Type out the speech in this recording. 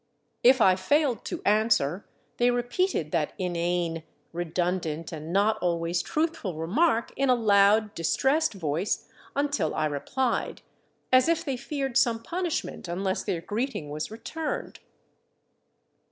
If I failed to answer, they repeated that inane, redundant, and not always truthful remark in a loud, distressed voice until I re plied, as if they feared some punishment unless their greeting was re turned.